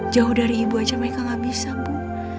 jauh dari ibu aja mereka gak bisa bu